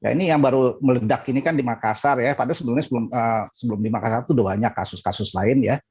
ini yang baru meledak ini kan di makassar pada sebelumnya di makassar itu sudah banyak kasus kasus lain